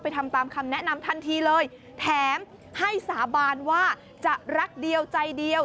ทำตามคำแนะนำทันทีเลยแถมให้สาบานว่าจะรักเดียวใจเดียว